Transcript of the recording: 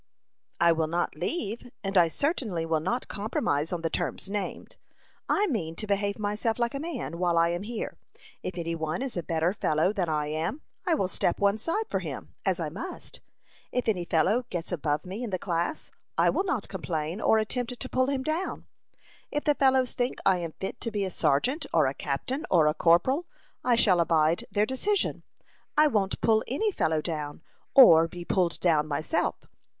"I will not leave; and I certainly will not compromise on the terms named. I mean to behave myself like a man, while I am here. If any one is a better fellow than I am, I will step one side for him, as I must. If any fellow gets above me in the class, I will not complain, or attempt to pull him down. If the fellows think I am fit to be a sergeant, or a captain, or a corporal, I shall abide their decision. I won't pull any fellow down, or be pulled down myself.